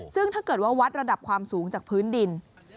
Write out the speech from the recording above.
ซึ่งถ้าเกิดว่าวัดระดับความสูงจากพื้นดิน